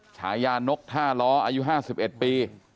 ฉายานกท่าล้ออายุ๕๑ปี